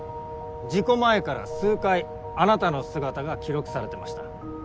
事故前から数回あなたの姿が記録されてました。